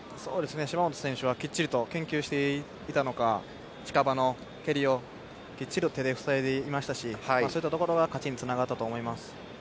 芝本選手はきっちりと研究していたのか、近場の蹴りをきっちり手で防いでいましたしそういうところが勝ちにつながったと思います。